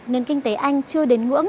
nên kinh tế anh chưa đến ngưỡng